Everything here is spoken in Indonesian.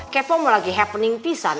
kepo mau lagi happening pisan